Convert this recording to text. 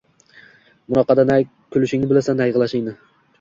Bunaqada na kulishingni bilasan, na yig‘lashingni